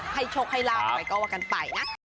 ให้ชกให้ลาแต่ก็ว่ากันไปนะ